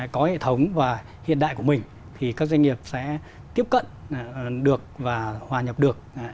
có hệ thống và hiện đại của mình thì các doanh nghiệp sẽ tiếp cận được và hòa nhập được